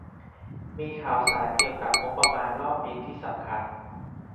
มีข่าวสารเกี่ยวกับงบประมาณรอบบิลที่สำคัญ